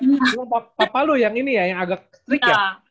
cuma bapak lu yang ini ya yang agak strict ya